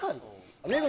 目黒